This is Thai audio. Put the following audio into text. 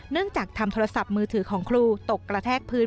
จากทำโทรศัพท์มือถือของครูตกกระแทกพื้น